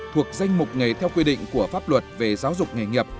thuộc danh mục nghề theo quy định của pháp luật về giáo dục nghề nghiệp